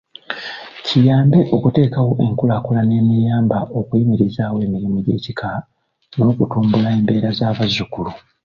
Kiyambe okuteekawo enkulakulana enaayamba okuyimirizaawo emirimu gy’ Ekika n’okutumbula embeera z’abazzukulu.